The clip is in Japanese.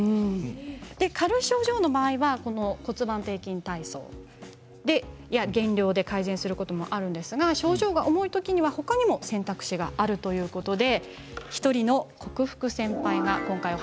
軽い症状の場合は骨盤底筋体操や減量で改善することもあるんですが症状が重いときにはほかにも選択肢があるということです。